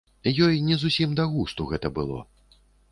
Ёй не зусім да густу гэта было.